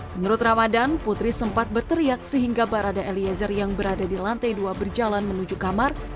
menurut ramadan putri sempat berteriak sehingga barada eliezer yang berada di lantai dua berjalan menuju kamar